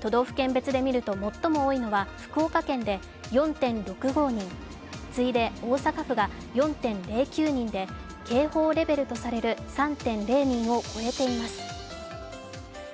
都道府県別で見ると最も多いのは福岡県で４．６５人、次いで大阪府が４．０９人で警報レベルとされる３．０人を超えています。